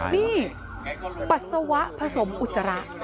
นี่ปัสสาวะผสมอุจจาระ